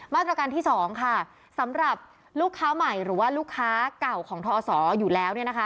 มาตรการที่๒ค่ะสำหรับลูกค้าใหม่หรือว่าลูกค้าเก่าของทอศอยู่แล้วเนี่ยนะคะ